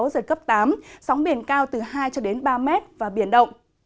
giật cấp tám sóng biển cao từ hai cho đến ba mét và biển động